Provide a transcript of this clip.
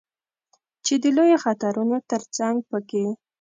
چې د لویو خطرونو ترڅنګ په کې